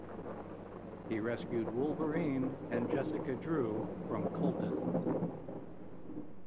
He rescued Wolverine and Jessica Drew from cultists.